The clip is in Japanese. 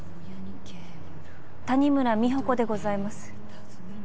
谷村美保子でございます